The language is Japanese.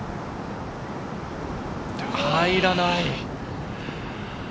入らない。